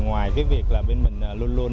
ngoài việc bên mình luôn luôn